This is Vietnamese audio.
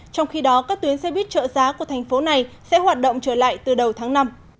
trong khi đó các tuyến xe buýt trợ giá của thành phố này sẽ hoạt động trở lại từ đầu tháng năm